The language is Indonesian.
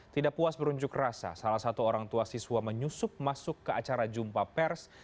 tidak puas berunjuk rasa salah satu orang tua siswa menyusup masuk ke acara jumpa pers